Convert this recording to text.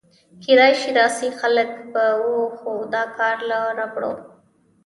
کېدای شي داسې خلک به و، خو دا کار له ربړو.